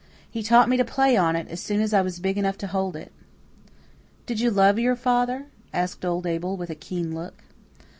He taught me to play on it as soon as I was big enough to hold it." "Did you love your father?" asked old Abel, with a keen look.